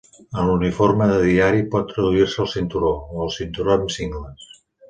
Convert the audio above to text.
En l'uniforme de diari pot reduir-se al cinturó, o al cinturó amb cingles.